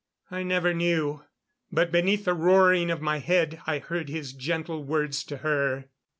I never knew. But beneath the roaring of my head, I heard his gentle words to her.